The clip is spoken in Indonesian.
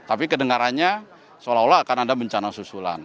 tapi kedengarannya seolah olah akan ada bencana susulan